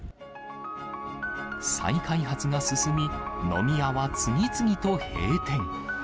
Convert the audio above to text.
再開発が進み、飲み屋は次々と閉店。